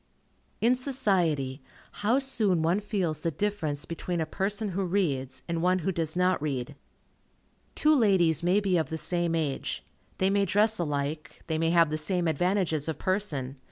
In society, how soon one feels the difference between a person who reads, and one who does not read. Two ladies may be of the same age. They may dress alike. They may have the same advantages of person.